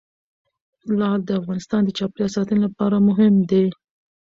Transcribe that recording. لعل د افغانستان د چاپیریال ساتنې لپاره مهم دي.